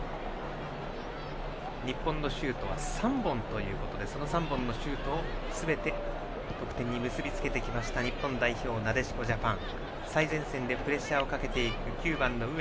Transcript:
日本のシュートは３本ということでその３本のシュートをすべて得点に結び付けてきました日本代表、なでしこジャパン。